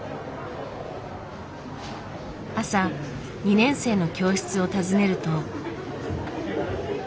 朝２年生の教室を訪ねると。